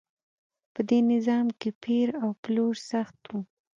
په دې نظام کې پیر او پلور سخت و.